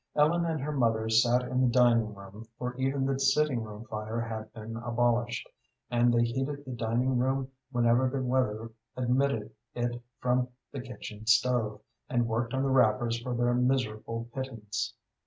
Ellen and her mother sat in the dining room, for even the sitting room fire had been abolished, and they heated the dining room whenever the weather admitted it from the kitchen stove, and worked on the wrappers for their miserable pittance.